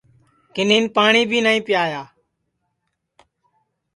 کِنین پاٹؔی بی نائی پیایا